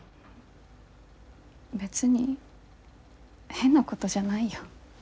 別に変なことじゃないよ。